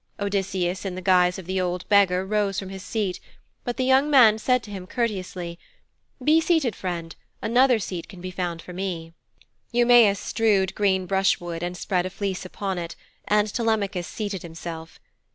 Odysseus in the guise of the old beggar rose from his seat, but the young man said to him courteously: 'Be seated, friend. Another seat can be found for me.' Eumæus strewed green brushwood and spread a fleece upon it, and Telemachus seated himself.